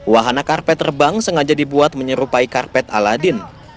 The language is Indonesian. wahana karpet terbang sengaja dibuat menyerupai karpet aladin